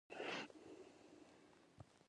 د جګړې هدف یې هم اجنبي دی.